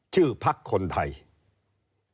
ที่ภาคคนไทท์